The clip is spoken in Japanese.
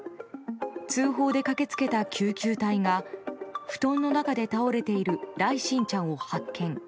通報で駆け付けた救急隊が布団の中で倒れている來心ちゃんを発見。